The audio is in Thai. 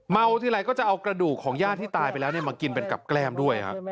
ทีไรก็จะเอากระดูกของญาติที่ตายไปแล้วมากินเป็นกับแกล้มด้วยครับ